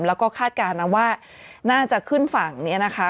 แล้วก็คาดการณ์นะว่าน่าจะขึ้นฝั่งเนี่ยนะคะ